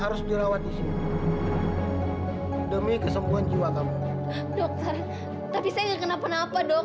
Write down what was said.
ada apa pak